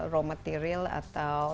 raw material atau